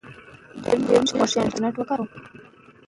که میندې قران ختم کړي نو ثواب به نه وي کم.